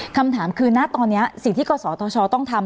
คำถามคือณตอนนี้สิ่งที่กศธชต้องทำ